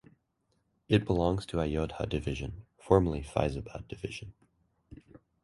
It belongs to Ayodhya Division (formerly Faizabad Division).